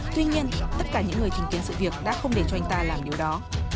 tuy nhiên tất cả những người chứng kiến sự việc đã không để cho anh ta làm điều đó